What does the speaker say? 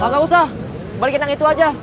gak usah balikin yang itu aja